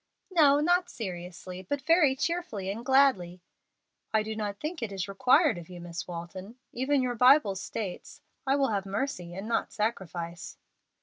"No, not seriously, but very cheerfully and gladly." "I do not think it is required of you, Miss Walton. Even your Bible states, 'I will have mercy and not sacrifice.'"